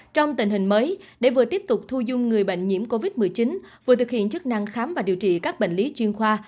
trong tình hình mới để vừa tiếp tục thu dung người bệnh nhiễm covid một mươi chín vừa thực hiện chức năng khám và điều trị các bệnh lý chuyên khoa